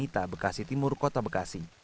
kota bekasi timur kota bekasi